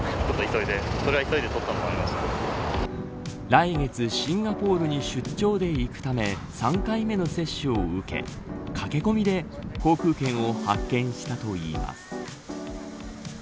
来月シンガポールに出張で行くため３回目の接種を受け駆け込みで航空券を発券したといいます。